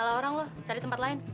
salah orang lo cari tempat lain